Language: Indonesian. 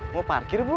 mau parkir bu